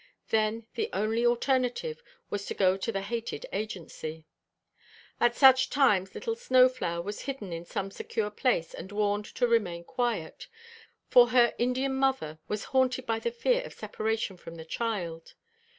Then the only alternative was to go to the hated agency. At such times little Snow flower was hidden in some secure place and warned to remain quiet; for her Indian mother was haunted by the fear of separation from the child.